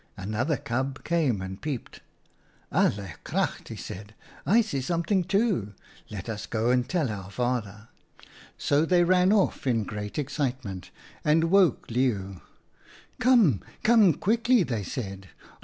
u Another cub came and peeped. "' Alle kracht !' he said, ' I see something too. Let us go and tell our father/ M So they ran off in great excitement and woke Leeuw. ' Come, come quickly,' they said.